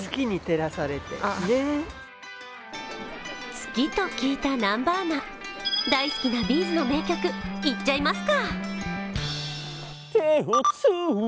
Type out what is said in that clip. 月と聞いた南波アナ、大好きなＢ’ｚの名曲、いっちゃいますか。